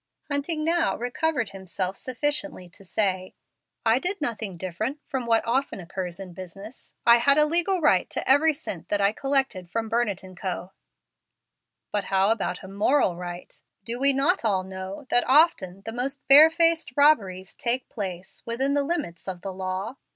Hunting now recovered himself sufficiently to say, "I did nothing different from what often occurs in business. I had a legal right to every cent that I collected from Burnett & Co." "But how about moral right? Do we not all know that often the most barefaced robberies take place within the limits of the law?